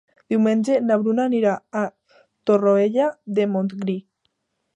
Diumenge na Bruna anirà a Torroella de Montgrí.